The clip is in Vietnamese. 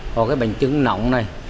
có cái bánh trứng nóng này